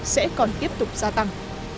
sẽ còn tiếp tục gia tăng